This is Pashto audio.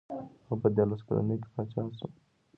هغه په دیارلس کلنۍ کې پاچا شو.